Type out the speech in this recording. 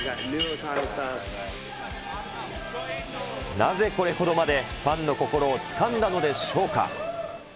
なぜこれほどまでファンの心をつかんだのでしょうか。